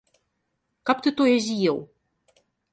Каб ты тое з'еў!